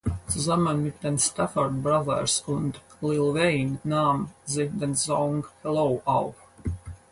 Zusammen mit den Stafford Brothers und Lil Wayne nahm sie den Song "Hello" auf.